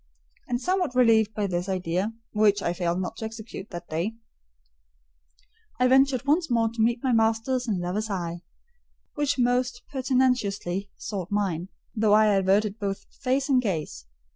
And somewhat relieved by this idea (which I failed not to execute that day), I ventured once more to meet my master's and lover's eye, which most pertinaciously sought mine, though I averted both face and gaze.